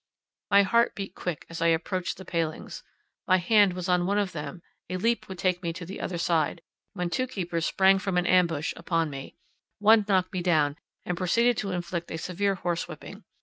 My heart beat quick as I approached the palings; my hand was on one of them, a leap would take me to the other side, when two keepers sprang from an ambush upon me: one knocked me down, and proceeded to inflict a severe horse whipping.